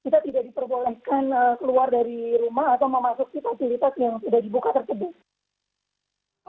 kita tidak diperbolehkan keluar dari rumah atau memasuki fasilitas yang sudah dibuka tersebut